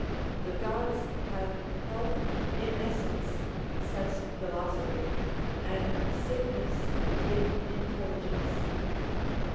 The gods have health in essence, says philosophy, and sickness in intelligence.